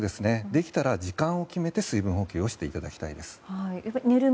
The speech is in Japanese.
できたら時間を決めて水分補給をしていただきたいです。